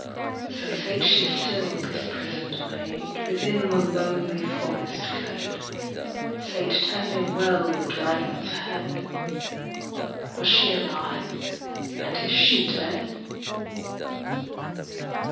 So sate she still, this prison'd maid, Within the lonely forest glade Sate tending well the dragon's head. Was she alive, and is she dead